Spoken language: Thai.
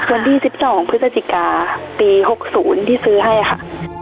วันที่๑๒พฤศจิกาปี๖๐ที่ซื้อให้ค่ะ